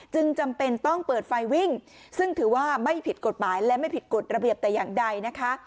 จำเป็นต้องเปิดไฟวิ่งซึ่งถือว่าไม่ผิดกฎหมายและไม่ผิดกฎระเบียบแต่อย่างใดนะคะ